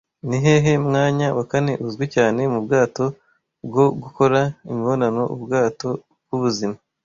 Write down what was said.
Nihehe mwanya wa kane uzwi cyane mubwato bwo gukora imibonano Ubwato bwubuzima